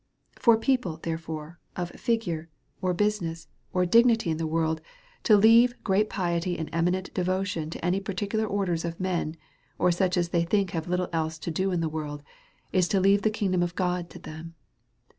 For people, therefore, of figure, or business, or dig i3 278 A SERIOUS CALL TO A nity in the worlds to leave great piety atid eminent de votion to any particular orders of men, or such as they think !iave liUie else to do in the world, is to leave the kingdom of God to them.